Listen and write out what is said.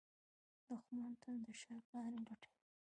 دښمن تل د شر لارې لټوي